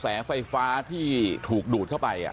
แสงไฟฟ้าที่ถูกดูดเข้าไป